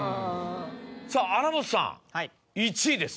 さぁ荒本さん１位です。